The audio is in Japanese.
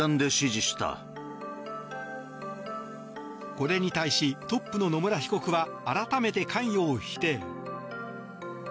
これに対しトップの野村被告は改めて関与を否定。